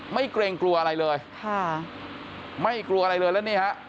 เกรงกลัวอะไรเลยค่ะไม่กลัวอะไรเลยแล้วนี่ฮะ